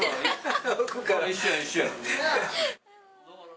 一緒や、一緒や。